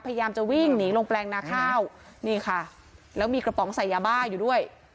พยายามจะวิ่งหนีลงแปลงนาข้าวนี่ค่ะแล้วมีกระป๋องใส่ยาบ้าอยู่ด้วย